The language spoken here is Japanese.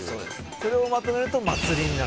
それをまとめると祭りになるんですよね？